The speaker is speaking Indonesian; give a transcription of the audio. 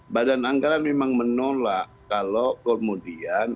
badan anggaran memang menolak kalau kemudian